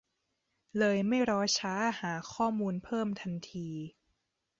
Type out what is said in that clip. เลยไม่รอช้าหาข้อมูลเพิ่มทันที